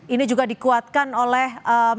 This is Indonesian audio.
ini juga dikuatkan oleh